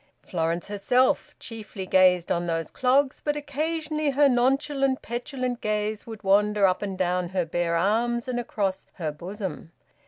Florence herself chiefly gazed on those clogs, but occasionally her nonchalant petulant gaze would wander up and down her bare arms and across her bosom.